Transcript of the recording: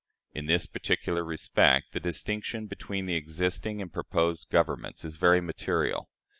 In this particular respect the distinction between the existing and proposed governments is very material.